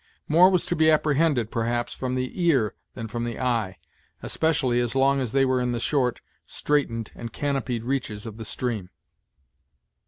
More was to be apprehended, perhaps, from the ear than from the eye, especially as long as they were in the short, straitened, and canopied reaches of the stream.